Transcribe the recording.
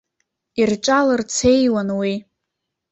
Ирҿалырцеиуан уи.